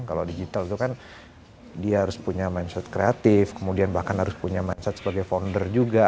kalau digital itu kan dia harus punya mindset kreatif kemudian bahkan harus punya mindset sebagai founder juga